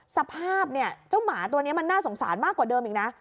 สภาพเนี่ยเจ้าหมาตัวนี้มันน่าสงสารมากกว่าเดิมอีกนะ